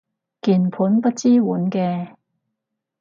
鍵盤不支援嘅